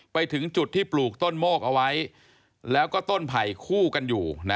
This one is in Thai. ไปถึงจุดที่ปลูกต้นโมกเอาไว้แล้วก็ต้นไผ่คู่กันอยู่